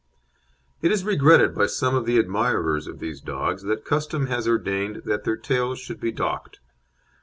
It is regretted by some of the admirers of these dogs that custom has ordained that their tails should be docked.